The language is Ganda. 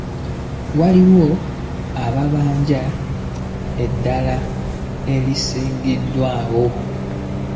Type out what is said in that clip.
Waliwo ebbanja eddala erisigaddeyo?